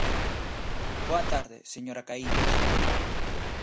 Boa tarde, señora Caíñas.